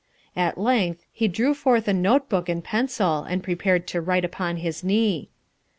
At length he drew forth a note book and pencil and prepared to write upon his knee.